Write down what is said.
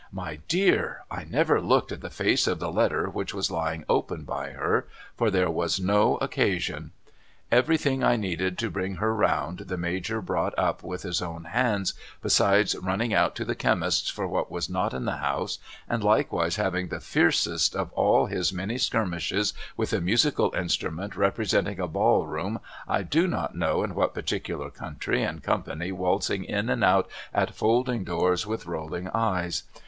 My dear I never looked at the face of the letter which was lying open by her, for there was no occasion. Everything I needed to bring her round the Major brought up with his own hands, besides running out to the chemist's for what was not in the house and likewise having the fiercest of all his many skirmishes with a musical instrument representing a ball room I do not know in what particular country and company waltzing in and out at folding doors with rolling eyes.